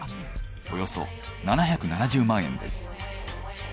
およそ７７０万円です。